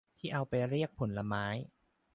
ที่เอาไปเรียกผลไม้